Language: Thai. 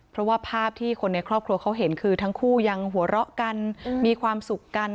เพราะว่าภาพที่คนในครอบครัวเขาเห็นคือทั้งคู่ยังหัวเราะกันมีความสุขกัน